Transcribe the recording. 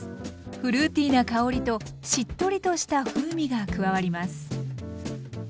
フルーティーな香りとしっとりとした風味が加わります。